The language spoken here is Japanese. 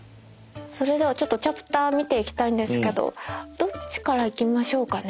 それではちょっとチャプター見ていきたいんですけどどっちから行きましょうかね。